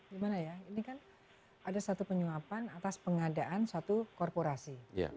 gimana ya ini kan ada satu penyuapan atas pengadaan suatu korporasi